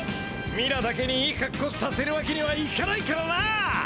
ミラだけにいいかっこうさせるわけにはいかないからな！